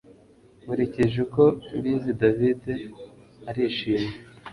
Nkurikije uko mbizi David arishimye